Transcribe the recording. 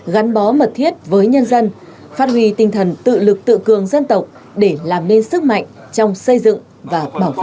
gắn bó mật thiết với nhân dân phát huy tinh thần tự lực tự cường dân tộc để làm nên sức mạnh trong xây dựng và bảo vệ tổ quốc